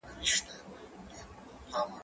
ته ولي بازار ته ځې!.